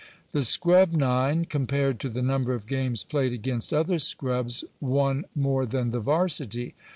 The scrub nine, compared to the number of games played against other scrubs, won more than the varsity.